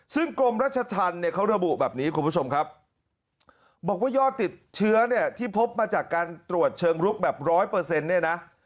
ซึ่งกรมรัชธรรมเนี่ยเขาระบุแบบนี้คุณผู้ชมครับบอกว่ายอดติดเชื้อเนี่ยที่พบมาจากการตรวจเชิงลุกแบบร้อยเปอร์เซ็นต์เนี่ยนะ